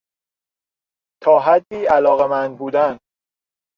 تا حدی علاقمند بودن